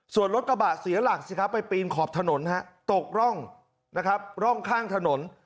ส่วนรถกระบะเสียหลักสิครับไปปีนขอบถนนตกร่องนะครับร่องข้างถนน